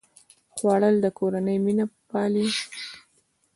خوړل د کورنۍ مینه پالي